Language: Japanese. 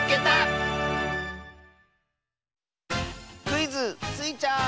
クイズ「スイちゃん」！